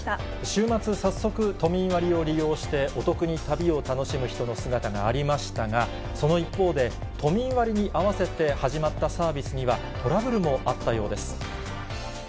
週末、早速、都民割を利用して、お得に旅を楽しむ人の姿がありましたが、その一方で、都民割に合わせて始まったサービスにはトラブルもあったようです。